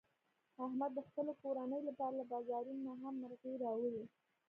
احمد د خپلې کورنۍ لپاره له بازانونه نه هم مرغۍ راوړي.